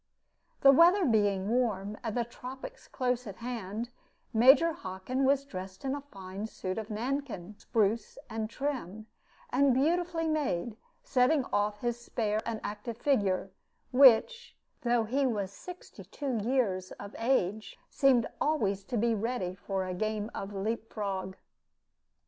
The weather being warm, and the tropics close at hand, Major Hockin was dressed in a fine suit of Nankin, spruce and trim, and beautifully made, setting off his spare and active figure, which, though he was sixty two years of age, seemed always to be ready for a game of leap frog.